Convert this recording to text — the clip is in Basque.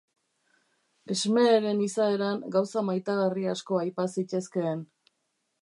Smeeren izaeran gauza maitagarri asko aipa zitezkeen.